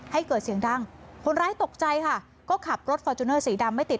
ให้เกิดเสียงดังคนร้ายตกใจค่ะก็ขับรถฟอร์จูเนอร์สีดำไม่ติด